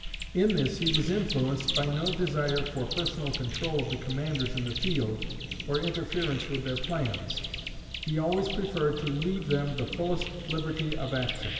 In this he was influenced by no desire for personal control of the commanders in the field or interference with their plans; he always preferred to leave them the fullest liberty of action.